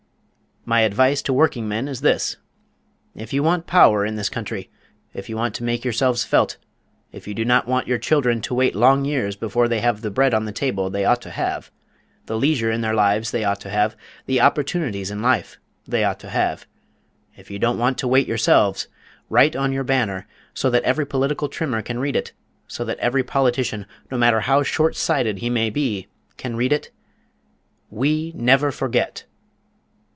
My advice to workingmen is this: If you want power in this country; if you want to make yourselves felt; if you do not want your children to wait long years before they have the bread on the table they ought to have, the leisure in their lives they ought to have, the opportunities in life they ought to have; if you don't want to wait yourselves, write on your banner, so that every political trimmer can read it, so that every politician, no matter how short sighted he may be, can read it, "_WE NEVER FORGET!